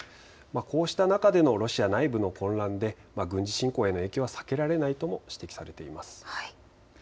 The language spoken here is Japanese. こうした中でもロシア内部の混乱で影響は避けられないと指摘されています。